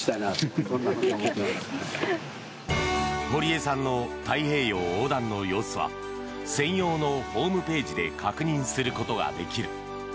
堀江さんの太平洋横断の様子は専用のホームページで確認することができる。